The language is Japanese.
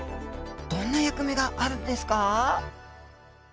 どんな役目があるんですか？